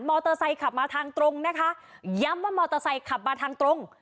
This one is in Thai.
เตอร์ไซค์ขับมาทางตรงนะคะย้ำว่ามอเตอร์ไซคับมาทางตรง